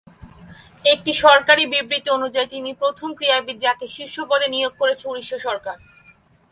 একটি সরকারী বিবৃতি অনুযায়ী, তিনি প্রথম ক্রীড়াবিদ যাকে শীর্ষ পদে নিয়োগ করেছে উড়িষ্যা সরকার।